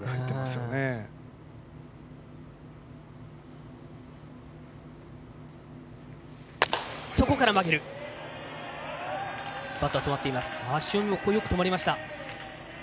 よく止まりました。